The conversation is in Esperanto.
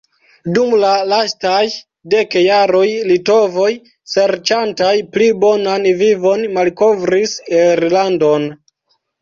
Dum la lastaj dek jaroj litovoj serĉantaj pli bonan vivon malkovris Irlandon.